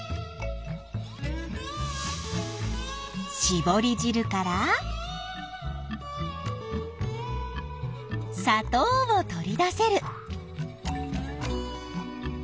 しぼりじるからさとうを取り出せる。